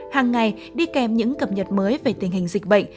hàng ngày đi kèm những cập nhật mới về tình hình dịch bệnh